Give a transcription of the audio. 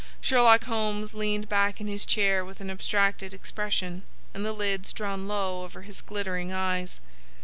Sherlock Holmes leaned back in his chair with an abstracted expression and the lids drawn low over his glittering eyes.